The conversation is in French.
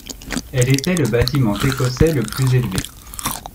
Elle était le bâtiment écossais le plus élevé.